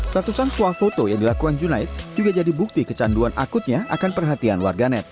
ratusan swafoto yang dilakukan junaid juga jadi bukti kecanduan akutnya akan perhatian warganet